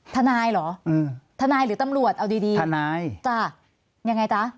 ทนายเหรออืมทนายหรือตำรวจเอาดีดีทนายจ้ะยังไงจ๊ะ